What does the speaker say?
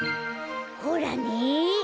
ほらね。